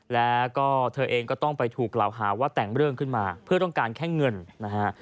แล้วก็เธอเองก็ต้องไปถูกกล่าวหาว่าแต่งเรื่องขึ้นมาเพื่อต้องการแค่เงินนะฮะ